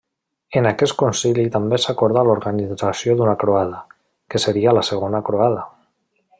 En aquest concili també s'acordà l'organització d'una croada, que seria la Segona Croada.